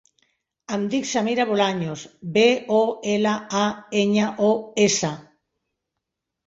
Em dic Samira Bolaños: be, o, ela, a, enya, o, essa.